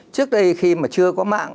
trước đây khi mà chưa có mạng